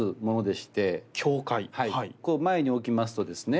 こう前に置きますとですね